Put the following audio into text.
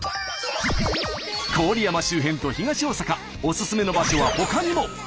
郡山周辺と東大阪おすすめの場所はほかにも。